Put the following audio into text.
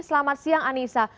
selamat siang anissa